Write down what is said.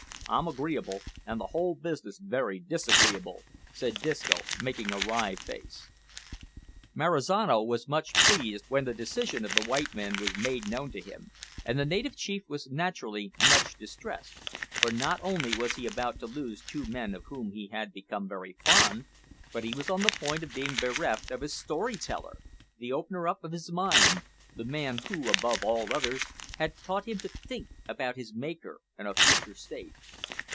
I'm agreeable, an' the whole business werry disagreeable," said Disco, making a wry face. Marizano was much pleased when the decision of the white men was made known to him, and the native chief was naturally much distressed, for, not only was he about to lose two men of whom he had become very fond, but he was on the point of being bereft of his story teller, the opener up of his mind, the man who, above all others, had taught him to think about his Maker and a future state.